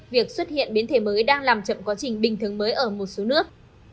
việc xuất hiện biến thể mới đang làm chậm quá trình bình thường mới ở một số nước